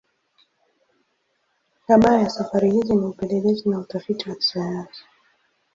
Shabaha ya safari hizi ni upelelezi na utafiti wa kisayansi.